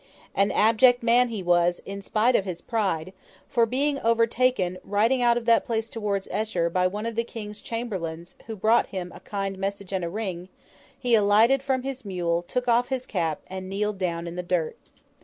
An abject man he was, in spite of his pride; for being overtaken, riding out of that place towards Esher, by one of the King's chamberlains who brought him a kind message and a ring, he alighted from his mule, took off his cap, and kneeled down in the dirt.